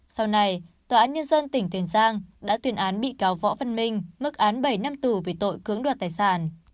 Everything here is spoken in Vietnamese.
sau này tòa án nhân dân tỉnh tiến giang đã tuyên án bị cáo võ văn minh mức án bảy năm tù vì tội cướng đoạt tài sản